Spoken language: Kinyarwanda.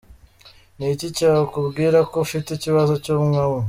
Ni iki cyakubwira ko ufite ikibazo cy’umwuma?.